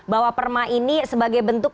bahwa perma ini sebagai bentuk